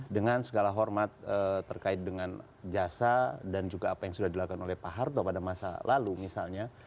dengan segala hormat terkait dengan jasa dan juga apa yang sudah dilakukan oleh pak harto pada masa lalu misalnya